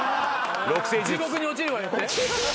地獄に落ちるわよって？